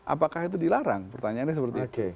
apakah itu dilarang pertanyaannya seperti itu